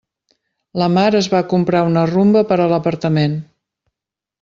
La Mar es va comprar una Rumba per a l'apartament.